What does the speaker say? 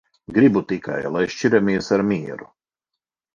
Gribu tikai, lai šķiramies ar mieru.